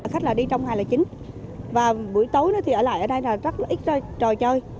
khách là đi trong hai là chính và buổi tối thì ở lại ở đây là rất là ít chơi trò chơi